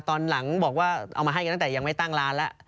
ตอนหลังบอกว่าเอามาให้กันตั้งแต่ยังไม่ตั้งร้านแล้ว